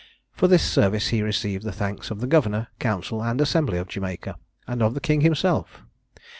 For this service he received the thanks of the governor, council, and assembly of Jamaica, and of the king himself.